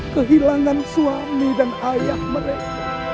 kehilangan suami dan ayah mereka